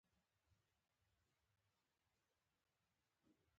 تجزیوي تعاملونه یوه ترکیب شوې ماده تجزیه کوي.